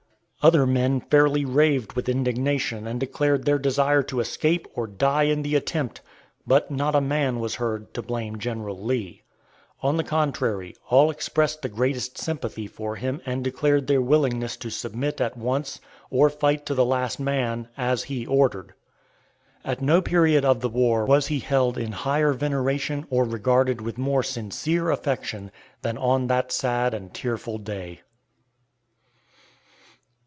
Other men fairly raved with indignation, and declared their desire to escape or die in the attempt; but not a man was heard to blame General Lee. On the contrary, all expressed the greatest sympathy for him and declared their willingness to submit at once, or fight to the last man, as he ordered. At no period of the war was he held in higher veneration or regarded with more sincere affection, than on that sad and tearful day.